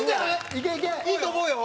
いいと思うよ！